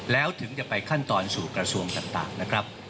แล้วถึงจะไปขั้นตอนสู่กระทรวงต่างนะครับ